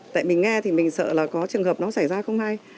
tại mình nghe thì mình sợ là có trường hợp nó xảy ra không hay